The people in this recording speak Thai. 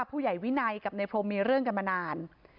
ผู้ใหญ่วินัยกับในพรมมีเรื่องกันมานาน